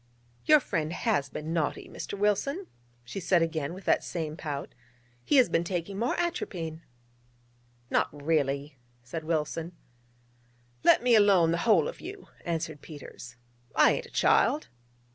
'Your friend has been naughty, Mr. Wilson,' she said again with that same pout: 'he has been taking more atropine.' 'Not really?' said Wilson. 'Let me alone, the whole of you,' answered Peters: 'I ain't a child.'